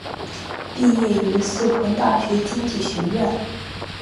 毕业于四川大学经济学院。